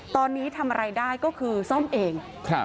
ตอนนี้ทำอะไรได้ก็คือซ่อมเอง